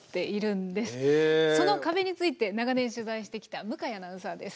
その壁について長年取材してきた向井アナウンサーです。